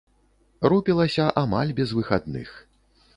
Рупілася амаль без выхадных.